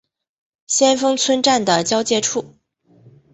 先锋村站的交界处。